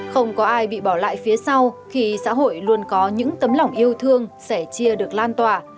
không có ai bị bỏ lại phía sau khi xã hội luôn có những tấm lòng yêu thương sẻ chia được lan tỏa